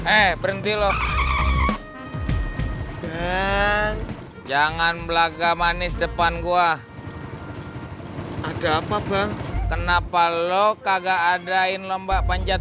eh berhenti loh jangan belaka manis depan gua ada apa bang kenapa lo kagak adain lomba panjat